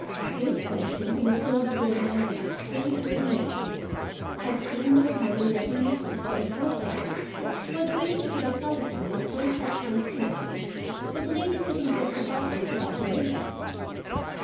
This coachman, who was known to be a man of extreme good nature, had seen no harm in lending his whip to a poor devil who wished to give a telegram or some such hasty message to the lady sitting just above them in a lighted window.